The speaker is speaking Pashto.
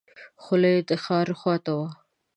خوله یې د ښار خواته وه.